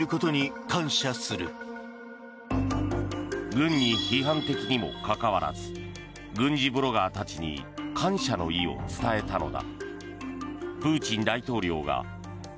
軍に批判的にもかかわらず軍事ブロガーたちに感謝の意を伝えたのだ。